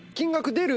出る。